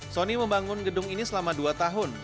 sony membangun gedung ini selama dua tahun